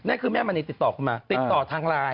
แม่คือแม่มณีติดต่อคุณมาติดต่อทางไลน์